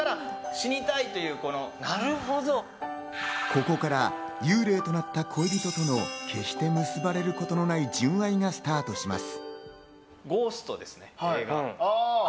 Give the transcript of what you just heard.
ここから幽霊となった恋人との決して結ばれることのない純愛がスタートします。